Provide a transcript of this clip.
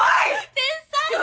天才。